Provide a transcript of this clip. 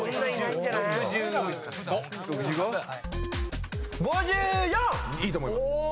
いいと思います。